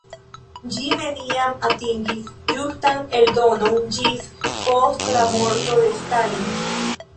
Ĝi neniam atingis ĝustan eldonon ĝis post la morto de Stalin.